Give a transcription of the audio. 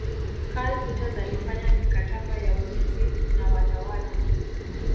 Karl Peters alifanya mikataba ya ulinzi na watawala